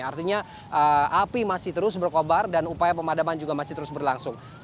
artinya api masih terus berkobar dan upaya pemadaman juga masih terus berlangsung